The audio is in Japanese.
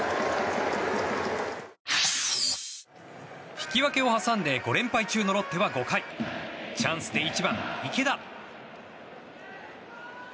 引き分けを挟んで５連敗中のロッテは５回チャンスで１番、池田。